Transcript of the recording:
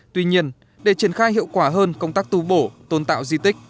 tuy nhiên để triển khai hiệu quả hơn công tác tu bổ tôn tạo di tích